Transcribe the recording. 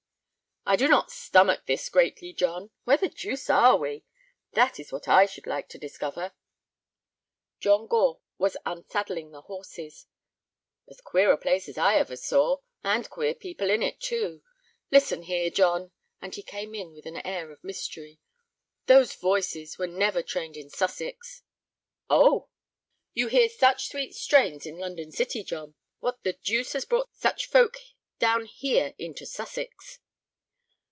"I do not stomach this greatly, John. Where the deuce are we? That is what I should like to discover." John Gore was unsaddling the horses. "As queer a place as ever I saw—and queer people in it, too. Listen here, John"—and he came in with an air of mystery—"those voices were never trained in Sussex." "Oh!" "You hear such sweet strains in London City, John. What the deuce has brought such folk down here into Sussex?"